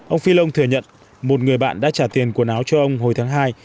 ông fillon thừa nhận một người bạn đã trả tiền quần áo cho ông hồi tháng hai